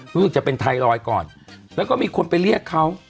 รู้สึกจะเป็นไทรอยด์ก่อนแล้วก็มีคนไปเรียกเขา